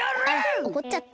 あらおこっちゃった。